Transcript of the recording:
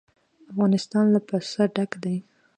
افغانستان له پسه ډک دی.